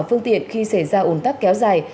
phương tiện khi xảy ra ủng tắc kéo dài